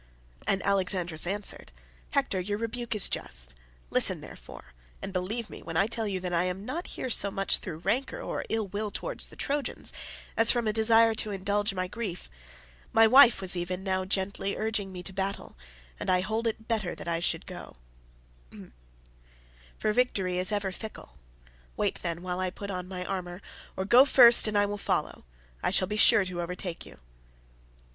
And Alexandrus answered, "Hector, your rebuke is just; listen therefore, and believe me when I tell you that I am not here so much through rancour or ill will towards the Trojans, as from a desire to indulge my grief. My wife was even now gently urging me to battle, and I hold it better that I should go, for victory is ever fickle. Wait, then, while I put on my armour, or go first and I will follow. I shall be sure to overtake you."